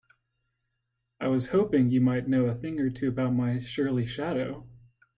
I was hoping you might know a thing or two about my surly shadow?